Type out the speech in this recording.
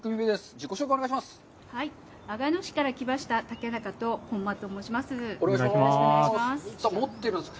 自己紹介をお願いします。